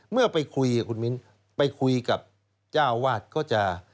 เมื่อไปคุยกับคุณมิ้นไปคุยกับเจ้าวาดก็จะ